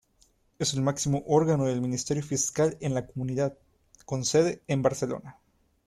Es el máximo órgano del Ministerio Fiscal en la comunidad, con sede en Barcelona.